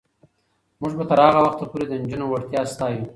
موږ به تر هغه وخته پورې د نجونو وړتیا ستایو.